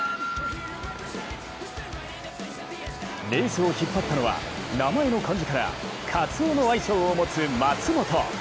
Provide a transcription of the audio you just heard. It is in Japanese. レースを引っ張ったのは名前の漢字からカツオの愛称を持つ松元。